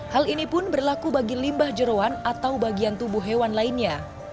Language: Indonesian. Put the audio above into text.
hal ini pun berlaku bagi limbah jerawan atau bagian tubuh hewan lainnya